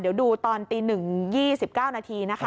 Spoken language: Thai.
เดี๋ยวดูตอนตี๑๒๙นาทีนะคะ